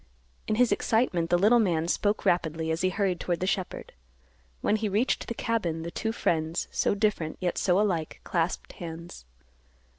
In his excitement the little man spoke rapidly as he hurried toward the shepherd. When he reached the cabin, the two friends, so different, yet so alike, clasped hands.